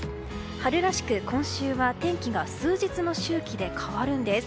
春らしく今週は天気が数日の周期で変わるんです。